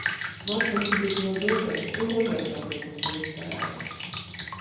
Матка ў цябе была добрая, прыгожая кабыла, але старая.